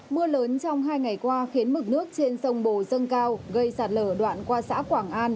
mưa lớn trong hai ngày qua khiến mực nước trên sông bồ dâng cao gây sạt lở đoạn qua xã quảng an